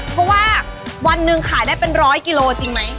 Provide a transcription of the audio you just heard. เพราะว่าวันหนึ่งขายได้เป็นร้อยกิโลจริงไหม